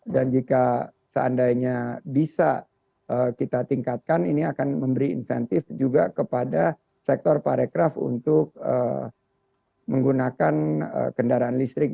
dan jika seandainya bisa kita tingkatkan ini akan memberi insentif juga kepada sektor parekraf untuk menggunakan kendaraan listrik